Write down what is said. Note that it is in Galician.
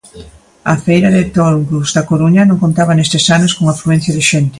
A feira de touros da Coruña non contaba nestes anos con afluencia de xente.